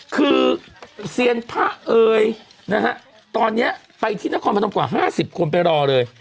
คือเซียนพระเอ๋ยนะฮะตอนนี้ไปที่นครพนมกว่า๕๐คนไปรอเลย